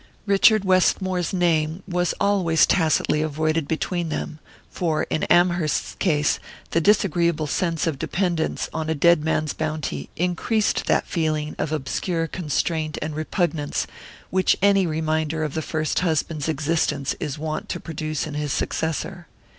Richard Westmore's name was always tacitly avoided between them, for in Amherst's case the disagreeable sense of dependence on a dead man's bounty increased that feeling of obscure constraint and repugnance which any reminder of the first husband's existence is wont to produce in his successor.